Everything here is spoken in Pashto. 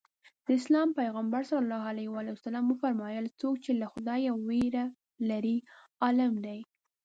د اسلام پیغمبر ص وفرمایل څوک چې له خدایه وېره لري عالم دی.